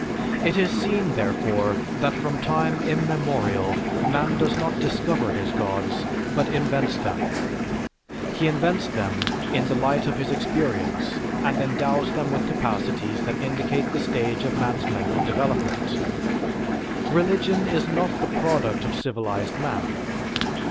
_") It is seen, therefore, that from time immemorial, man does not discover his gods, but invents them. He invents them in the light of his experience and endows them with capacities that indicate the stage of man's mental development. Religion is not the product of civilized man.